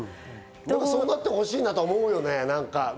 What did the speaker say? そうなってほしいと思うよね。